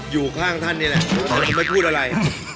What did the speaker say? อยู่ข้างท่านนี่แหละไม่พูดอะไร